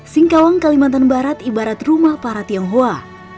singkawang kalimantan barat ibarat rumah para tionghoa